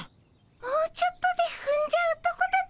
もうちょっとでふんじゃうとこだっ